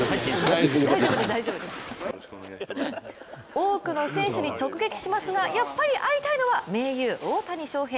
多くの選手に直撃しますがやっぱり会いたいのは盟友・大谷翔平。